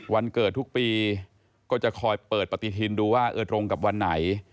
วันเกิดทุกปีก็จะคอยเปิดปฏิทินดูว่าตรงกับวันไหน